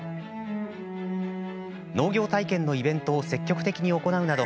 農業体験のイベントを積極的に行うなど